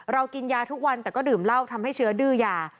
กินยาทุกวันแต่ก็ดื่มเหล้าทำให้เชื้อดื้อยา